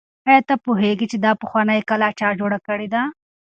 آیا ته پوهېږې چې دا پخوانۍ کلا چا جوړه کړې ده؟